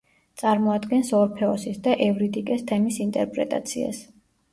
წარმოადგენს ორფეოსის და ევრიდიკეს თემის ინტერპრეტაციას.